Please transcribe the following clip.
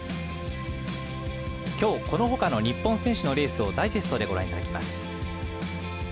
今日このほかの日本選手のレースをダイジェストでご覧いただきます。